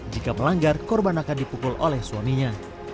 jika melanggar korban akan dipukul oleh suaminya